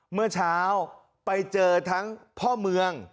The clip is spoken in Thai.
เมื่อเช้าไปเจอทั้งพ่อเมือง